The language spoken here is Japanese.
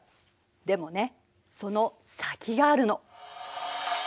でもねその先があるの。